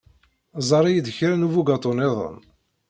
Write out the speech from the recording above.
Ẓer-iyi-d kra n ubugaṭu nniḍen.